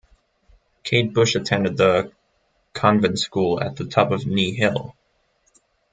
Kate Bush attended the convent school at the top of Knee Hill.